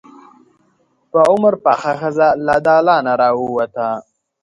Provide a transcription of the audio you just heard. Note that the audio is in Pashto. په عمر پخه ښځه له دالانه راووته.